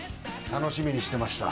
楽しみにしてました。